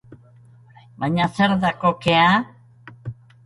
Baina zer da kokea?